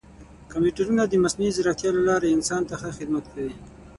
کمپیوټرونه د مصنوعي ځیرکتیا له لارې انسان ته ښه خدمت کوي.